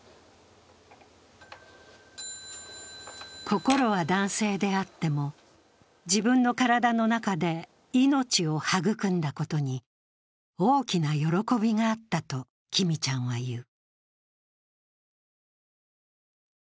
心は男性であっても、自分の体の中で命を育んだことに大きな喜びがあったときみちゃんは言う。